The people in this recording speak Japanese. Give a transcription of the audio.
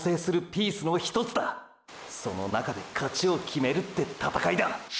その中で勝ちを決めるって闘いだ。